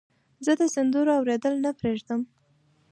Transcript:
زه د سندرو اوریدل نه پرېږدم.